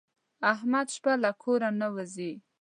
احمد شپه له کوره نه وځي.